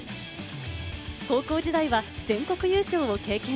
高校時代は全国優勝を経験。